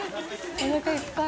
おなかいっぱい？